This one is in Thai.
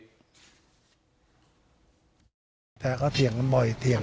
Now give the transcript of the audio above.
ใช่ค่ะเขาเถียงบ่อยเถียง